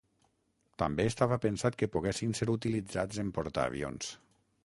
També estava pensat que poguessin ser utilitzats en portaavions.